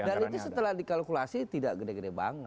dan itu setelah dikalkulasi tidak gede gede banget